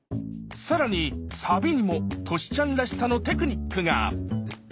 更にサビにもトシちゃんらしさのテクニックが！